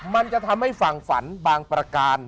มันจะทำให้ฝั่งฝันบางประการ